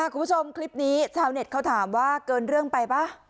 คุณผู้ชมคลิปนี้ชาวเน็ตเขาถามว่าเกินเรื่องไปป่ะ